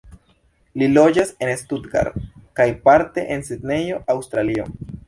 Li loĝas en Stuttgart kaj parte en Sidnejo, Aŭstralio.